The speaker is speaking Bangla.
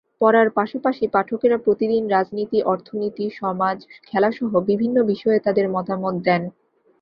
পড়ার পাশাপাশি পাঠকেরা প্রতিদিন রাজনীতি, অর্থনীতি, সমাজ, খেলাসহ বিভিন্ন বিষয়ে তাঁদের মতামত দেন।